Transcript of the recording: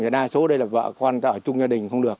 đa số đây là vợ con ở chung gia đình không được